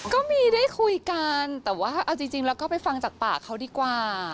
ก็มีได้คุยกันแต่ว่าเอาจริงแล้วก็ไปฟังจากปากเขาดีกว่า